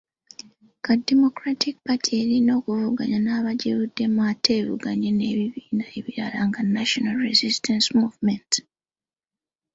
Kati Democratic Party erina okuvuganya n'abagivuddemu ate evuganye n'ebibiina ebirala nga National Resistance Movement.